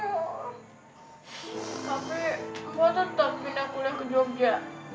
gue tetep pindah kuliah ke jogja